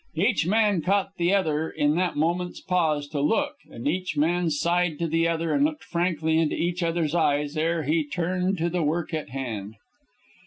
Each man caught the other in that moment's pause to look, and each man sighed to the other and looked frankly into each other's eyes ere he turned to the work at hand.